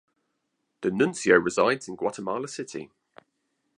The nuncio resides in Guatemala City.